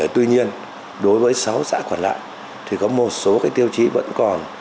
tuy nhiên đối với sáu xã còn lại thì có một số tiêu chí vẫn còn